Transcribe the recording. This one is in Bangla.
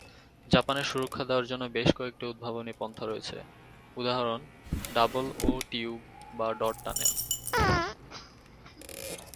জাপানে সুরক্ষা দেওয়ার জন্য বেশ কয়েকটি উদ্ভাবনী পন্থা রয়েছে, উদাঃ ডাবল-ও-টিউব বা ডট-টানেল।